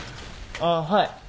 ああはい。